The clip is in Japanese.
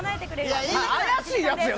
怪しいやつや！